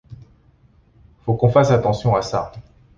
Faut qu'on fasse attention à ça.